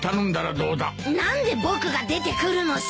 何で僕が出てくるのさ！